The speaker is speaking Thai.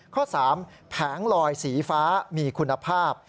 ข้อ๓แผงลอยสีฟ้ามีคุณภาพ